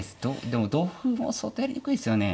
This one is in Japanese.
でも同歩も相当やりにくいですよね。